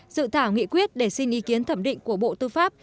dự thảo nghị quyết để xin ý kiến thẩm định của bộ tư pháp